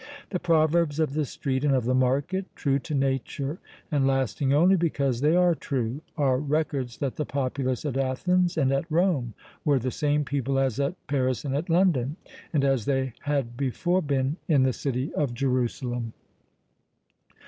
The proverbs of the street and of the market, true to nature, and lasting only because they are true, are records that the populace at Athens and at Rome were the same people as at Paris and at London, and as they had before been in the city of Jerusalem!